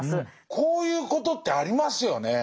こういうことってありますよね。